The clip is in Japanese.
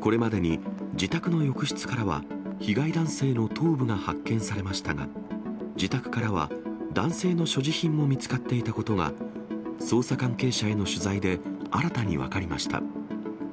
これまでに自宅の浴室からは、被害男性の頭部が発見されましたが、自宅からは男性の所持品も見つかっていたことが、捜査関係者への取材で新たに分かりました。